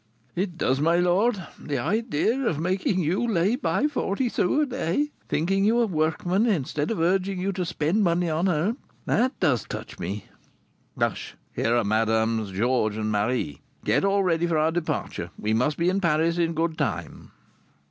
"It does, my lord; the idea of making you lay by forty sous a day, thinking you a workman, instead of urging you to spend money on her; that does touch me." "Hush; here are Madame Georges and Marie. Get all ready for our departure; we must be in Paris in good time."